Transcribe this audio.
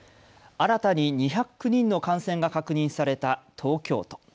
新たに２０９人の感染が確認された東京都。